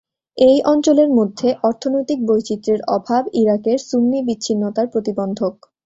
এই অঞ্চলের মধ্যে অর্থনৈতিক বৈচিত্র্যের অভাব ইরাকের সুন্নি বিচ্ছিন্নতার প্রতিবন্ধক।